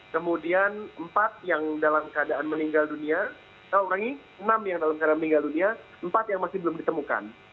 kemudian enam yang dalam keadaan meninggal dunia empat yang masih belum ditemukan